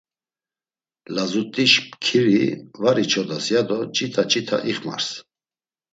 Lazut̆iş mkiri var içodas ya do ç̆it̆a ç̆it̆a ixmars.